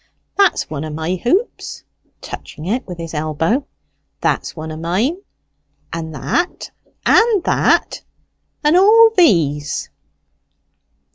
That's one of my hoops" touching it with his elbow "that's one of mine, and that, and that, and all these."